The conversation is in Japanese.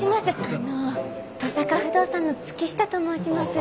あの登坂不動産の月下と申します。